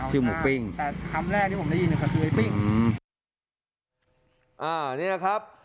ชื่อหมูปิ้งแต่คำแรกที่ผมได้ยินก็คือไอ้ปิ้งอืมอ่าเนี้ยนะครับ